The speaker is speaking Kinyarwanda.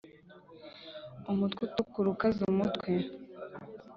umutwe utukura ukaze umutwe